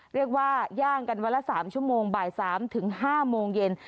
เรียกว่าย่างกันวันละ๓ชั่วโมงบ่าย๓ถึง๕โมงเย็น